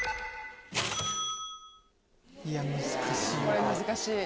これ難しい。